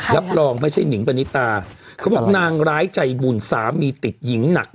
รับรองไม่ใช่หนิงปณิตาเขาบอกนางร้ายใจบุญสามีติดหญิงหนัก